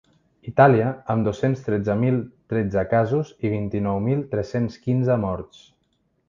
Itàlia, amb dos-cents tretze mil tretze casos i vint-i-nou mil tres-cents quinze morts.